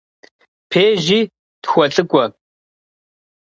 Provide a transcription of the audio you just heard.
Пежьи тхуэлӏыкӏуэ.